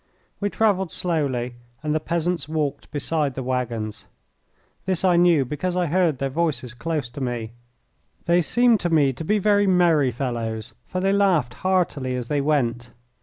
We travelled slowly, and the peasants walked beside the waggons. This I knew, because I heard their voices close to me. They seemed to me to be very merry fellows, for they laughed heartily as they went.